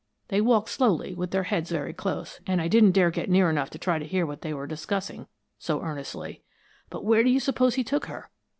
They walked slowly, with their heads very close, and I didn't dare get near enough to try to hear what they were discussing so earnestly. But where do you suppose he took her?